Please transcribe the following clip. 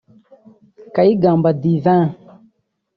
Kayigamba Divin